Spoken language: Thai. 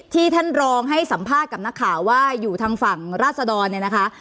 ท่านรองให้สัมภาษณ์กับนักข่าวว่าอยู่ทางฝั่งราศดรเนี่ยนะคะ